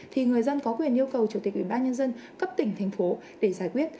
thì người dân có quyền yêu cầu chủ tịch ubnd cấp tỉnh thành phố để giải quyết